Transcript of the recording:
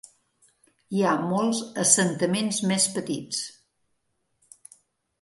Hi ha molts assentaments més petits.